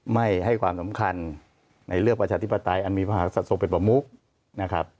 ไม่ให้ความสำคัญในเลือกประชาธิปไตยอันมีภาษาส่งเป็นประมุขนะครับ